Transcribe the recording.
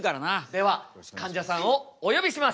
ではかんじゃさんをお呼びします。